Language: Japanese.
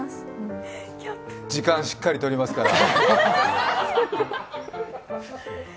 時間しっかりとりますから。